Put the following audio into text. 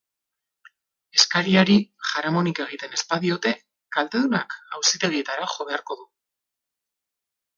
Eskariari jaramonik egiten ez badiote, kaltedunak auzitegietara jo beharko du.